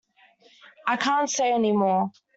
I can't say anymore.